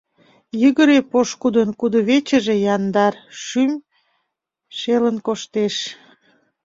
Йыгыре пошкудын кудывечыже яндар — шӱм шелын коштеш.